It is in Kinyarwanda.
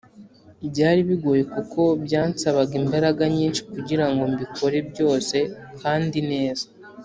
Byari bigoye kuko byansabaga imbaraga nyinshi kugira ngo mbikore byose kandi neza.